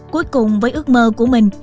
cuối cùng với ước mơ của mình